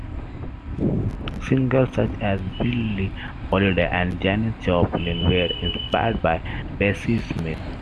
Singers such as Billie Holiday and Janis Joplin were inspired by Bessie Smith.